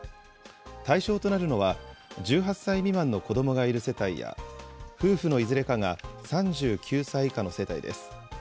対象となるのは１８歳未満の子どもがいる世帯や、夫婦のいずれかが３９歳以下の世帯です。